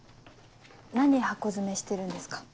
何箱詰めしてるんですか？